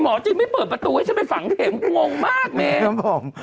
หมอจีนไม่เปิดประตูเถอะให้ชั้นไปฝั่งเข่มงงมาก